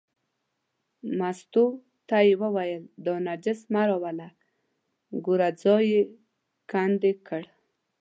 مستو ته یې وویل دا نجس مه راوله، ګوره ځای یې کندې کړ.